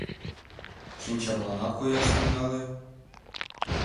Шинчамланат кояш тӱҥале?